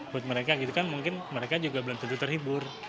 buat mereka gitu kan mungkin mereka juga belum tentu terhibur